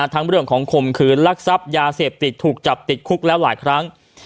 เรื่องของข่มขืนลักทรัพย์ยาเสพติดถูกจับติดคุกแล้วหลายครั้ง